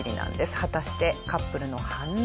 果たしてカップルの反応は？